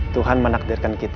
tuhan menakdirkan kita